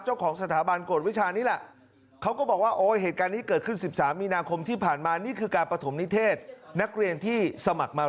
เจ้าของสถาบันกฎวิชานี้แหละเขาก็บอกว่าโอ้เหตุการณ์นี้เกิดขึ้น๑๓มีนาคมที่ผ่านมานี่คือการประถมนิเทศนักเรียนที่สมัครมา